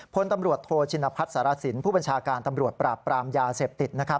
พลตำรวจโทชินพัฒน์สารสินผู้บัญชาการตำรวจปราบปรามยาเสพติด